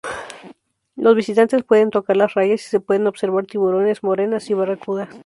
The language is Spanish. Los visitantes pueden tocar las rayas, y se pueden observar tiburones, morenas y barracudas.